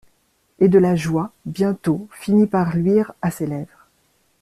Et de la joie bientôt finit par luire à ses lèvres.